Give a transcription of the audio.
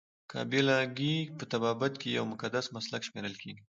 قابله ګي په طبابت کې یو مقدس مسلک شمیرل کیږي.